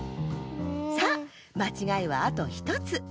さあまちがいはあと１つ。